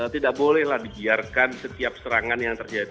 tidak bolehlah dibiarkan setiap serangan yang terjadi